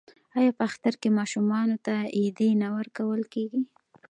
آیا په اختر کې ماشومانو ته ایډي نه ورکول کیږي؟